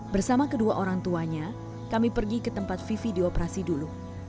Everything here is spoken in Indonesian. bersama kedua orang tuanya kami pergi ke tempat vivi dioperasi dulu